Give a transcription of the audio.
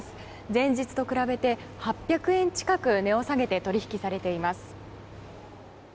前日と比べて８００円近く値を下げて取引されています。